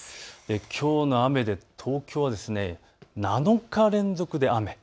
きょうの雨で東京は７日連続で雨。